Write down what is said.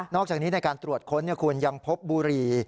อกจากนี้ในการตรวจค้นคุณยังพบบุหรี่